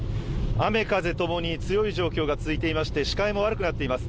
雨風ともに強い状況が続いていまして視界も悪くなっています。